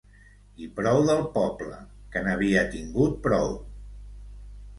I prou del poble, que n'havia tingut prou!